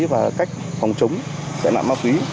và cách phòng chống tài nạn ma túy